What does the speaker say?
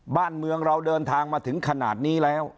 บ้านเมืองเราเดินทางมาถึงขนาดนี้แล้ว